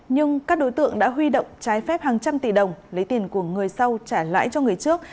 nhưng các đối tượng đã huy động trái phép hàng trăm tỷ đồng lấy tiền của người sau trả lãi cho người trước